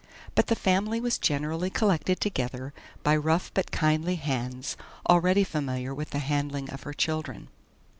But the family was generally collected together by rough but kindly hands already familiar with the handling of her children.